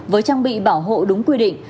với trang bị bảo hộ đúng quy định